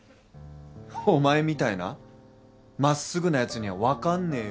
お前みたいな真っ直ぐな奴にはわかんねよ！